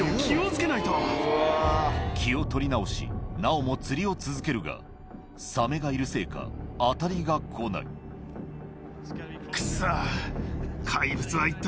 気を取り直しなおも釣りを続けるがサメがいるせいか当たりが来ないクソ。